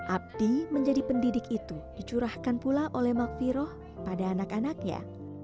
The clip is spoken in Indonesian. abdi menjadi pendidik itu dicurahkan pula oleh magviroh pada anak anaknya